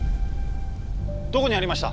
どこにありました？